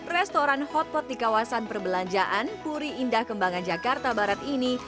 restoran hotpot di kawasan perbelanjaan puri indah kembangan jakarta barat ini